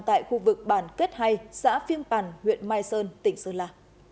tại khu vực bản kết hay xã phiêng bản huyện mai sơn tỉnh sơn la